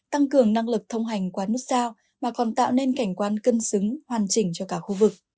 tăng cường năng lực thông hành qua nút sao mà còn tạo nên cảnh quan cân xứng hoàn chỉnh cho cả khu vực